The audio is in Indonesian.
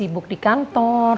lagi sibuk di kantor